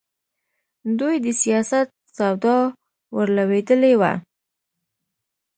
دوی د سیاست سودا ورلوېدلې وه.